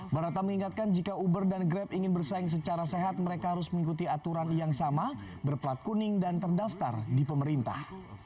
barata mengingatkan jika uber dan grab ingin bersaing secara sehat mereka harus mengikuti aturan yang sama berplat kuning dan terdaftar di pemerintah